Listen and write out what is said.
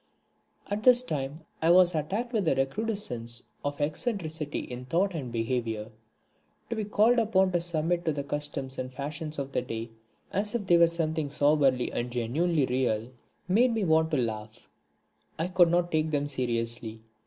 At this time I was attacked with a recrudescence of eccentricity in thought and behaviour. To be called upon to submit to the customs and fashions of the day, as if they were something soberly and genuinely real, made me want to laugh. I could not take them seriously.